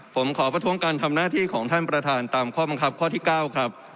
ผมขอประท้วงการทำหน้าที่ของท่านประธานตามข้อบังคับข้อที่๙ครับ